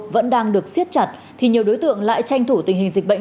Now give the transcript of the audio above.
vẫn đang được siết chặt thì nhiều đối tượng lại tranh thủ tình hình dịch bệnh